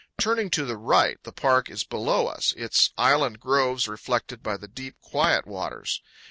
Turning to the right, the park is below us, its island groves reflected by the deep, quiet waters.